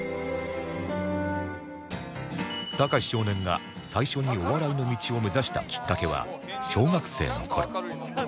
崇少年が最初にお笑いの道を目指したきっかけは小学生の頃